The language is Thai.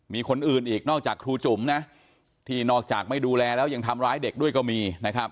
มีคนอื่นอีกนอกจากครูจุ๋มนะที่นอกจากไม่ดูแลแล้วยังทำร้ายเด็กด้วยก็มีนะครับ